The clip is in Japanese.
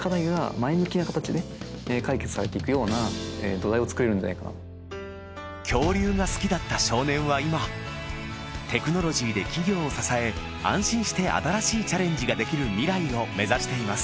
角田さんがその先に目指す未来の夢は恐竜が好きだった少年は今テクノロジーで企業を支え安心して新しいチャレンジができる未来を目指しています